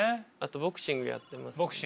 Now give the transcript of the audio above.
ボクシングやってるね。